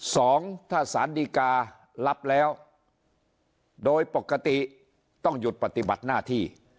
สองถ้าสารดีการ์รับแล้วโดยปกติต้องหยุดปฏิบัติหน้าที่